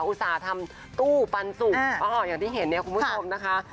อุตส่าห์ทำตู้ปันสุกอย่างที่เห็นเนี่ยคุณผู้ชมนะคะ